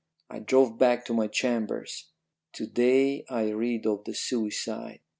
I drove back to my chambers. "To day I read of the suicide.